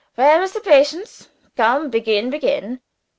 Where is the patients? Come begin begin!"